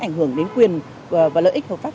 ảnh hưởng đến quyền và lợi ích hợp pháp